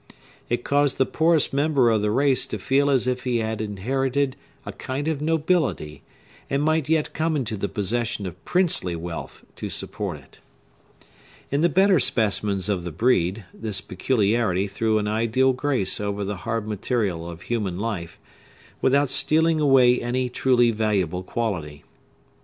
It caused the poorest member of the race to feel as if he inherited a kind of nobility, and might yet come into the possession of princely wealth to support it. In the better specimens of the breed, this peculiarity threw an ideal grace over the hard material of human life, without stealing away any truly valuable quality.